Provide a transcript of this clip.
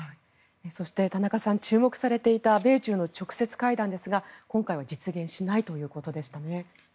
田中さんが注目されていた米中の直接会談ですが今回は実現しないということでしたね。